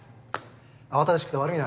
慌ただしくて悪いな。